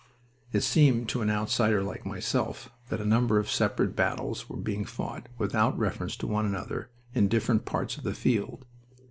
It seemed to an outsider like myself that a number of separate battles were being fought without reference to one another in different parts of the field.